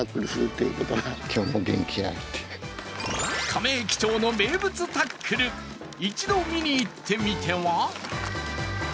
カメ駅長の名物タックル一度見に行ってみては？